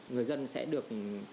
người dân sẽ được